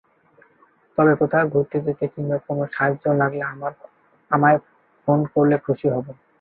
তবে কোথাও ঘুরতে যেতে কিংবা কোনো সাহায্য লাগলে আমায় ফোন করলে খুশি হবো।